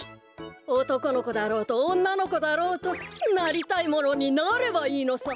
おとこのこだろうとおんなのこだろうとなりたいものになればいいのさ。